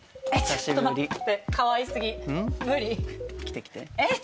ちょっと待ってかわいすぎ無理久しぶりうん？来て来てえっ